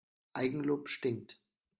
Eigenlob stinkt.